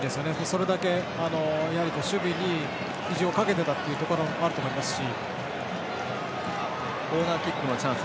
それだけ、守備に比重をかけてたという部分はあると思いますし。